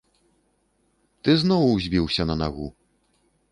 Ты зноў узбіўся на нагу!